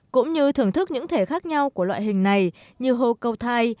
cũng như thưởng thức những thể khác nhau của loại hình này như ho câu thai